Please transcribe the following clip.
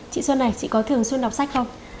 chị sơn này chị có thường xuân đọc sách không